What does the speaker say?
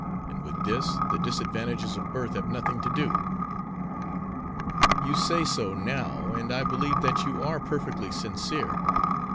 And with this the disadvantages of birth have nothing to do." "You say so now, and I believe that you are perfectly sincere.